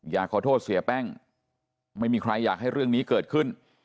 อยากขอโทษเสียแป้งไม่มีใครอยากให้เรื่องนี้เกิดขึ้น